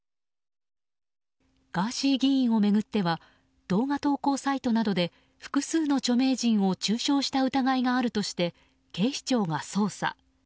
ガーシー議員を巡っては動画投稿サイトなどで複数の著名人を中傷した疑いがあるとして警視庁が捜査。